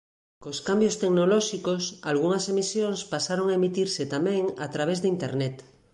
Cos cambios tecnolóxicos algunhas emisións pasaron a emitirse tamén a través de internet.